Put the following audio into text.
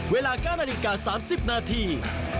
เวลา๙นาฬิกา๓๐นาที